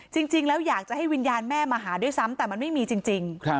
จริงแล้วอยากจะให้วิญญาณแม่มาหาด้วยซ้ำแต่มันไม่มีจริง